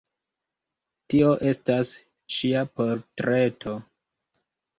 Tio estas ŝia portreto.